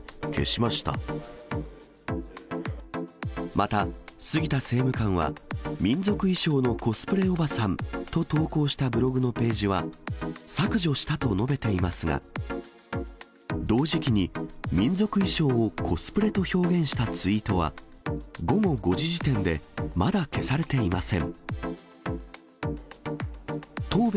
また杉田政務官は、民族衣装のコスプレおばさんと投稿したブログのページは、削除したと述べていますが、同時期に民族衣装をコスプレと表現したツイートは、午後５時時点でまだ消されていません。